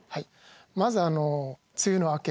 まずあの梅雨の明け